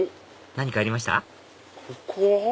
何かありました？